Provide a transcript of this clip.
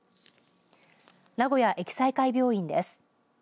名古屋掖済会病院です。